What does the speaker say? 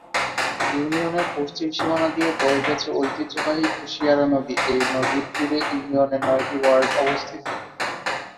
ইউনিয়নের পশ্চিম সীমানা দিয়ে বয়ে গেছে ঐতিহ্যবাহী কুশিয়ারা নদী, এই নদীর তীরে ইউনিয়নের নয়টি ওয়ার্ড অবস্থিত।